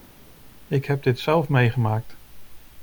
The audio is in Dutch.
Ik heb dit zelf meegemaakt.